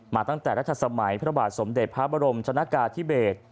ตั้งแต่รัฐสมัยพระบาทสมเด็จพระบรมชนะกาธิเบศ